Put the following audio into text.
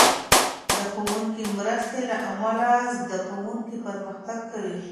د ښوونکې مرستې له امله، زده کوونکي پرمختګ کوي.